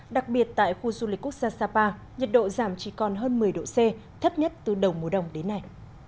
đặc biệt tại khu du lịch quốc gia sapa nhiệt độ giảm chỉ còn hơn một mươi độ c thấp nhất từ đầu mùa đông đến nay